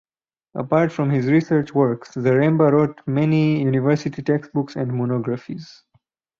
Apart from his research works, Zaremba wrote many university textbooks and monographies.